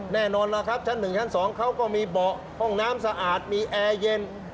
แน่นอนล่ะครับชั้น๑ชั้น๒เขาก็มีเบาะห้องน้ำสะอาดมีแอร์เย็น